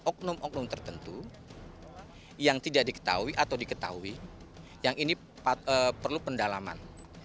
oknum oknum tertentu yang tidak diketahui atau diketahui yang ini perlu pendalaman